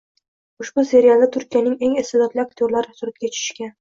Ushbu serialda turkiyaning eng istedodli aktyorlari suratga tushishgan.